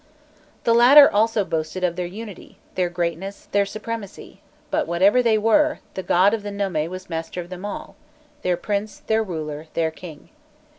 The latter also boasted of their unity, their greatness, their supremacy; but whatever they were, the god of the nome was master of them all their prince, their ruler, their king.